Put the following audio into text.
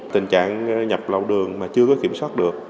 tình trạng nhập lậu đường mà chưa có kiểm soát được